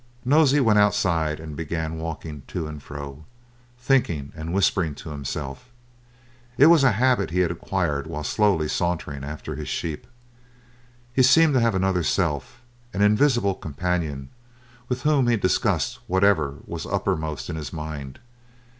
Nosey went outside, and began walking to and fro, thinking and whispering to himself. It was a habit he had acquired while slowly sauntering after his sheep. He seemed to have another self, an invisible companion with whom he discussed whatever was uppermost in his mind.